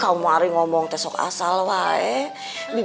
kalau kamu kadang ngomongnya seperti itu sih